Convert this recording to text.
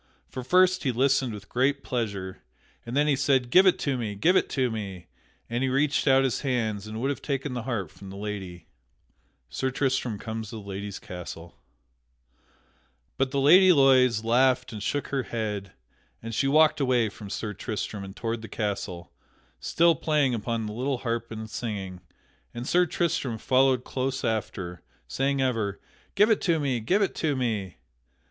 For first he listened with great pleasure, and then he said, "Give it to me! Give it to me!" and he reached out his hands and would have taken the harp from the lady. [Sidenote: Sir Tristram comes to the Lady's castle] But the Lady Loise laughed and shook her head, and she walked away from Sir Tristram and toward the castle, still playing upon the little harp and singing; and Sir Tristram followed close after, saying ever, "Give it to me! Give it to me!"